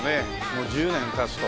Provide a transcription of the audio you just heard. もう１０年経つと。